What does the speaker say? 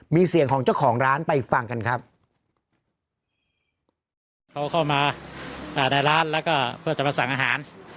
มีเสียงของเจ้าของร้านไปฟังกันครับเขาเข้ามาอ่าในร้านแล้วก็เพื่อจะมาสั่งอาหาร